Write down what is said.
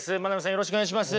よろしくお願いします。